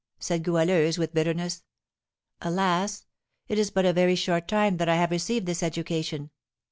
said Goualeuse, with bitterness. "Alas! It is but a very short time that I have received this education.